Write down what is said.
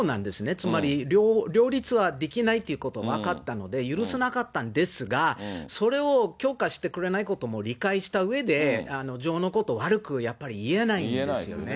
つまり両立はできないっていうこと分かったので、許さなかったんですが、それを許可してくれないことも理解したうえで、女王のことを悪くやっぱり言えないんですよね。